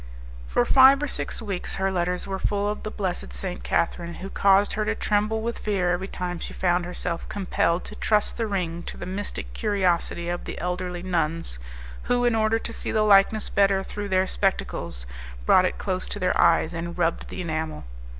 For five or six weeks her letters were full of the blessed St. Catherine, who caused her to tremble with fear every time she found herself compelled to trust the ring to the mystic curiosity of the elderly nuns, who, in order to see the likeness better through their spectacles, brought it close to their eyes, and rubbed the enamel.